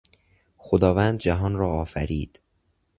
خداوند جهان را آفرید.